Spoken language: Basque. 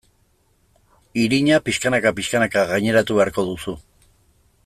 Irina pixkanaka-pixkanaka gaineratu beharko duzu.